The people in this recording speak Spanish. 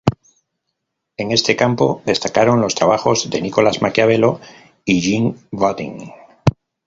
En este campo destacaron los trabajos de Nicolás Maquiavelo y Jean Bodin.